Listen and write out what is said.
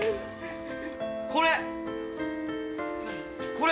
・これ。